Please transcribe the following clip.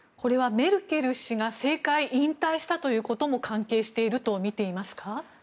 メルケル氏が政界引退したことにも関係しているとみていますか？